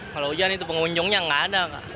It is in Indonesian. kalau hujan itu pengunjungnya gak ada kak